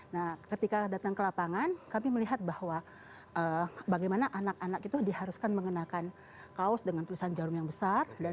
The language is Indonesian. nah ketika datang ke lapangan kami melihat bahwa bagaimana anak anak itu diharuskan mengenakan kaos dengan tulisan jarum yang besar